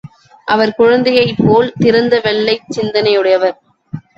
அவர் குழந்தையைப் போல் திறந்த வெள்ளைச் சிந்தையுடையவர்.